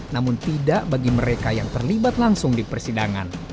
namun tidak bagi mereka yang terlibat langsung di persidangan